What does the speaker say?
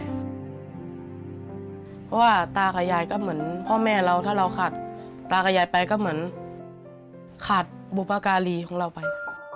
เพราะว่าตากับยายก็เหมือนพ่อแม่เราถ้าเราขาดตากับยายไปก็เหมือนขาดบุพการีของเราไป